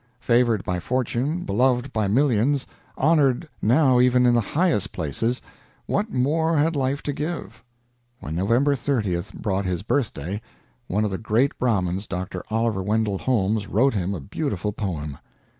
Favored by fortune, beloved by millions, honored now even in the highest places, what more had life to give? When November 30th brought his birthday, one of the great Brahmins, Dr. Oliver Wendell Holmes, wrote him a beautiful poem.